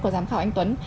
của giám khảo anh tuấn